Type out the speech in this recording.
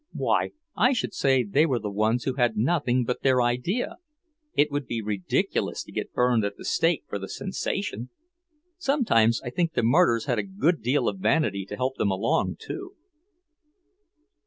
"Why, I should say they were the ones who had nothing but their idea! It would be ridiculous to get burned at the stake for the sensation. Sometimes I think the martyrs had a good deal of vanity to help them along, too."